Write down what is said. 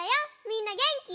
みんなげんき？